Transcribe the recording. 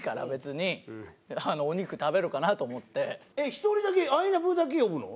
１人だけあいなぷぅだけ呼ぶの？